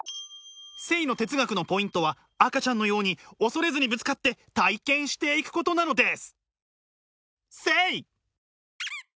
生の哲学のポイントは赤ちゃんのように恐れずにぶつかって体験していくことなのです！